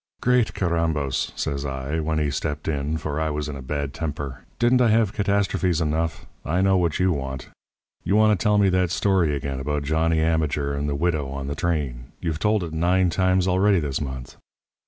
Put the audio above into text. "'Great carrambos!' says I, when he stepped in, for I was in a bad temper, 'didn't I have catastrophes enough? I know what you want. You want to tell me that story again about Johnny Ammiger and the widow on the train. You've told it nine times already this month.'